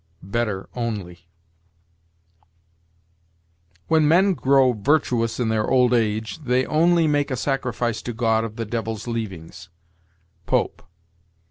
Better only. "'When men grow virtuous in their old age, they only make a sacrifice to God of the devil's leavings.' Pope.